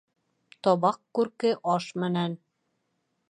Табаҡ күрке аш менән